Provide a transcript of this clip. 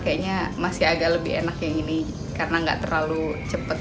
kayaknya masih agak lebih enak yang ini karena nggak terlalu cepat